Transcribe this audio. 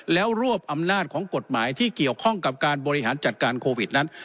แล้วรวบอำนาจของกฎหมายที่เกี่ยวข้องกับการบริหารจัดการโควิดนั้น